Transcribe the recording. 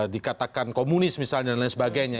dikatakan komunis misalnya dan lain sebagainya